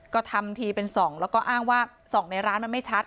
ก็ทำทีเป็นส่องแล้วก็อ้างว่าส่องในร้านมันไม่ชัด